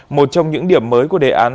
một trong những điểm mới của đề án